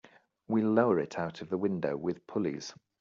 We'll lower it out of the window with pulleys.